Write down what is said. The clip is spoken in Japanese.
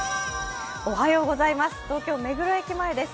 東京・目黒駅前です。